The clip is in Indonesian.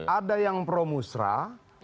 ada yang pro musrah